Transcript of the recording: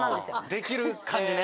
できる感じね。